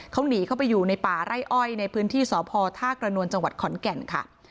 เขาหนีเข้าไปอยู่ในป่าไร่อ้อยในพื้นที่สพท่ากระนวลจังหวัดขอนแก่นค่ะ